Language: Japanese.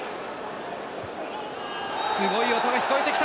すごい音が聞こえてきた。